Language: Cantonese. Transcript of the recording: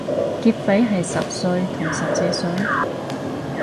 劫匪係十歲同十四歲？